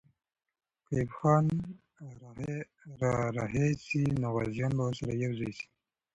که ایوب خان را رهي سي، نو غازیان به ورسره یو ځای سي.